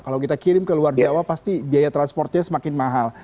kalau kita kirim ke luar jawa pasti biaya transportnya semakin mahal